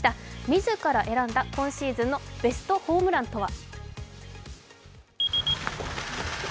みずから選んだ今シーズンのベストホームランとは？